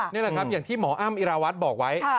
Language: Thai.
นี่แหละครับอย่างที่หมออ้ำอิราวัฒน์บอกไว้